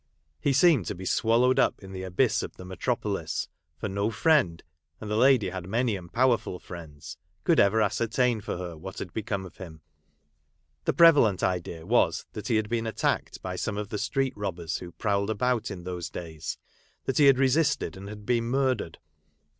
He seemed to be swallowed up in the abyss of the Metropolis, for no friend (and the lady had many and powerful friends) could ever ascertain for her what had become of him ; the prevalent idea was that he had been attacked by some of the street robbers who prowled about in those days, that he had resisted, and had been murdered.